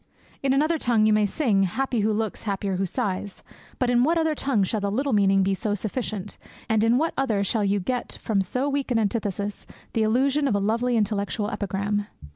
In another tongue you may sing, "happy who looks, happier who sighs"; but in what other tongue shall the little meaning be so sufficient, and in what other shall you get from so weak an antithesis the illusion of a lovely intellectual epigram?